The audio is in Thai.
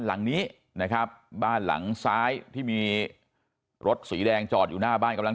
หลังนี้นะครับบ้านหลังซ้ายที่มีรถสีแดงจอดอยู่หน้าบ้านกำลัง